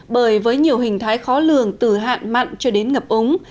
bởi với nhiều hình thái khó lường từ hạn mặn cho đến ngập úng